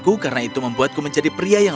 saya tidak kamu memberkati penderitaanku